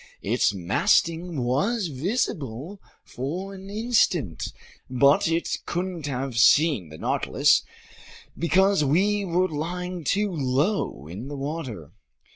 Its masting was visible for an instant, but it couldn't have seen the Nautilus because we were lying too low in the water.